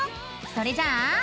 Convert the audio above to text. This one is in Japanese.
それじゃあ。